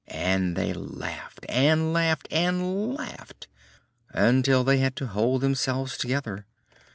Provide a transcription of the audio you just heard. And they laughed, and laughed, and laughed, until they had to hold themselves together.